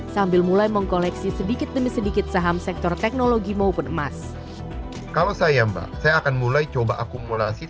sambil mulai mengkoleksi sedikit demi sedikit saham sektor teknologi maupun emas